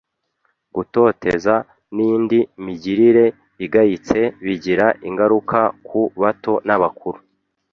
gutoteza n’indi migirire igayitse bigira ingaruka ku bato n’abakuru